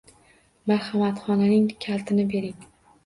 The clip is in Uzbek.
Marhamat, xonaning kalitini bering.